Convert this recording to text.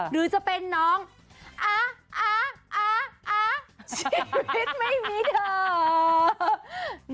หรือจะเป็นน้องอ๊ะอะชีวิตไม่มีเถอะ